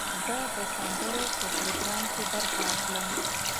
زه د سندرو په پروګرام کې برخه اخلم.